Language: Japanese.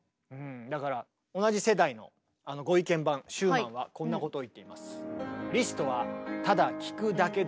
だから同じ世代のあのご意見番シューマンはこんなことを言っています。